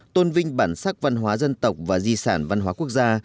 tôn vinh bản sắc văn hóa dân tộc và di sản văn hóa quốc gia